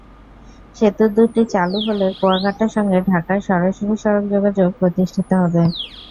সেতু দুটি চালু হলে কুয়াকাটার সঙ্গে ঢাকার সরাসরি সড়ক যোগাযোগ প্রতিষ্ঠিত হবে।